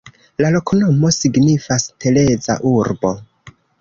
La loknomo signifas: Tereza-urbo.